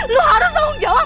lo harus tahu ngejawab